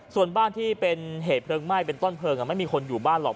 ส่วนบ้านที่เป็นเหตุเพลิงไหม้เป็นต้นเพลิงไม่มีคนอยู่บ้านหรอก